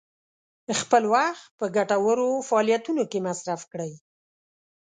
خپل وخت په ګټورو فعالیتونو کې مصرف کړئ.